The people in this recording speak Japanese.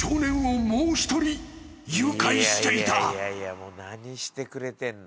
もう何してくれてんの？